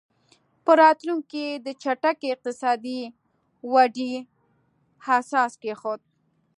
په راتلونکي کې یې د چټکې اقتصادي ودې اساس کېښود.